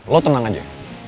lo tenang aja